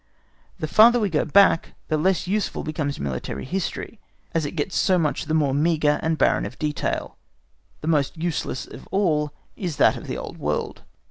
The farther we go back, the less useful becomes military history, as it gets so much the more meagre and barren of detail. The most useless of all is that of the old world.